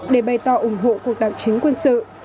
để bày tỏ ủng hộ cuộc đảo chính quân sự